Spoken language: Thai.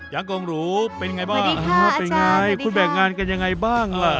ยังกงหรูเป็นไงบ้างเป็นไงคุณแบ่งงานกันยังไงบ้างล่ะ